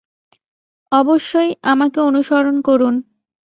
অবশ্যই, আমাকে অনুসরণ করুন।